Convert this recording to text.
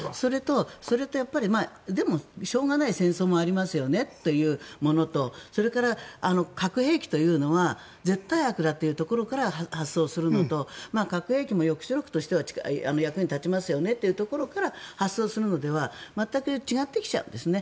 それと、でもしょうがない戦争もありますよねというものとそれから核兵器というのは絶対悪だということから発想するのと核兵器も抑止力としては役に立ちますよねっていうところから発想するのとでは全く違ってきちゃうんですね。